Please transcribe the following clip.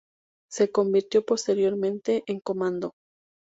Se convirtió posteriormente en comando.